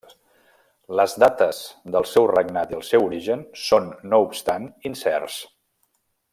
Les dates del seu regnat i el seu origen són no obstant incerts.